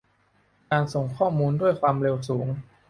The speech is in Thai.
การส่งข้อมูลด้วยความเร็วสูง